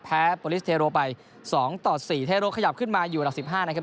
แพ้โปรลิสเทโรไปสองต่อสี่เทโรขยับขึ้นมาอยู่ระดับสิบห้านะครับ